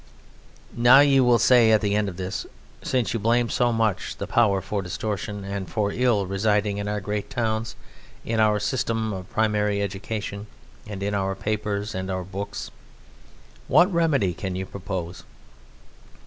Now you will say at the end of this, Since you blame so much the power for distortion and for ill residing in our great towns, in our system of primary education and in our papers and in our books, what remedy can you propose?